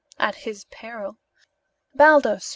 "At his peril " "Baldos!"